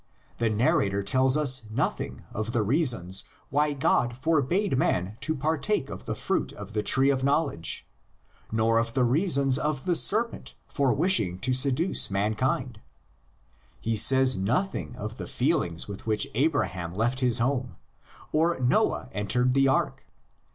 The narrator tells us nothing of the reasons why God forbade man to partake of the fruit of the tree of knowledge, nor of the reasons of the serpent for wishing to seduce mankind. He says nothing of the feelings with which Abraham left his home, or Noah entered the ark.